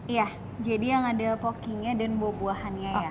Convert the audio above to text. iya jadi yang ada pocky nya dan buah buahannya ya